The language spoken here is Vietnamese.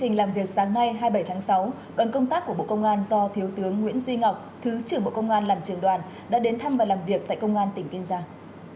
ngay hai mươi bảy tháng sáu đoàn công tác của bộ công an do thiếu tướng nguyễn duy ngọc thứ trưởng bộ công an làm trường đoàn đã đến thăm và làm việc tại công an tỉnh kiên giang